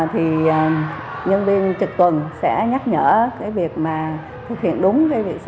thì nhân viên trực tuần sẽ nhắc nhở cái việc mà thực hiện đúng